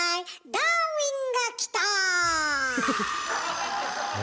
「ダーウィンが来た！」。え？